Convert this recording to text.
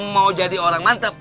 mau jadi orang mantep